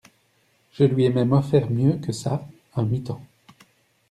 Je lui ai même offert mieux que ça: un mi-temps.